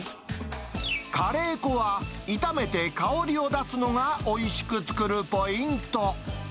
カレー粉は炒めて香りを出すのがおいしく作るポイント。